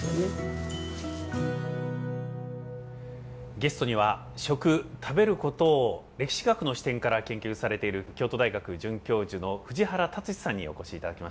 ゲストには「食」「食べること」を歴史学の視点から研究されている京都大学准教授の藤原辰史さんにお越し頂きました。